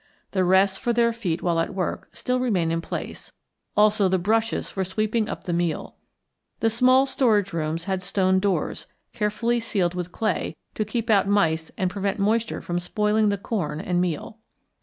The rests for their feet while at work still remain in place; also the brushes for sweeping up the meal. The small storage rooms had stone doors, carefully sealed with clay to keep out mice and prevent moisture from spoiling the corn and meal.